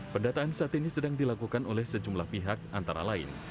pendataan saat ini sedang dilakukan oleh sejumlah pihak antara lain